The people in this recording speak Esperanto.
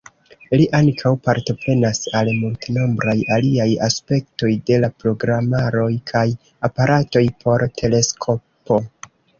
Li ankaŭ partoprenas al multenombraj aliaj aspektoj de la programaroj kaj aparatoj por teleskopo.